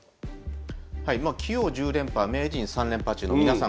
棋王１０連覇名人３連覇中の皆さん